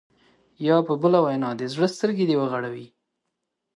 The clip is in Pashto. یا په بله وینا د زړه سترګې دې وغړوي.